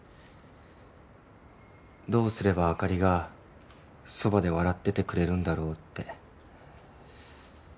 どうすればあかりがそばで笑っててくれるんだろうって。